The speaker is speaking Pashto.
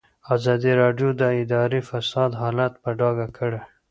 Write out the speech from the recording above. ازادي راډیو د اداري فساد حالت په ډاګه کړی.